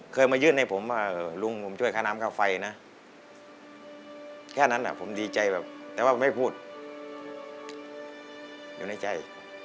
เคยมายื่นให้ผมว่าลุงผมช่วยค่าน้ำค่าไฟนะแค่นั้นผมดีใจแบบแต่ว่าไม่พูดอยู่ในใจ